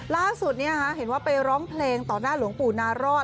ล่าสุดเห็นว่าไปร้องเพลงต่อหน้าหลวงปู่นารอด